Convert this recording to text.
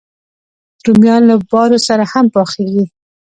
رومیان له بارو سره هم پخېږي